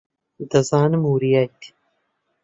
دەزانم وریایت.